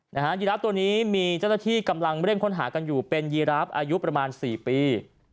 ยีราฟตัวนี้มีเจ้าหน้าที่กำลังเร่งค้นหากันอยู่เป็นยีราฟอายุประมาณสี่ปี